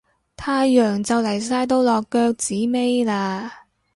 太陽就嚟晒到落腳子尾喇